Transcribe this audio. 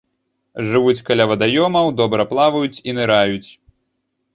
Жывуць каля вадаёмаў, добра плаваюць і ныраюць.